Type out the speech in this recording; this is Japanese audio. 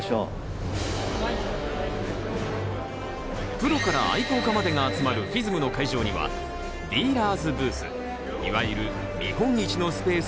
プロから愛好家までが集まるＦＩＳＭの会場にはディーラーズブースいわゆる見本市のスペースが設けられる。